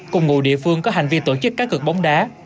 cùng ngụ địa phương có hành vi tổ chức các cực bóng đá